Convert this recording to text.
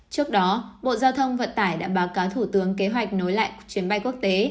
trước đó bộ giao thông vận tải đã báo cáo thủ tướng kế hoạch nối lại chuyến bay quốc tế